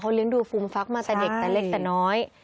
เลี้ยงดูฟูมฟักมาแต่เด็กแต่เล็กแต่น้อย